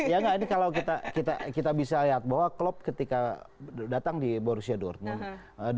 ya enggak ini kalau kita bisa lihat bahwa klub ketika datang di borussia dortmund